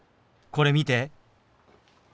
これ見て。